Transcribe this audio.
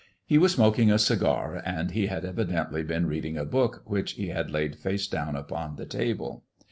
He was smoking a cigar, and he had evidently been reading a book which he had laid face down upon the table.